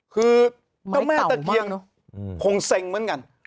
คือเจ้าแม่ตะเคียนคงเซ็งเหมือนกัน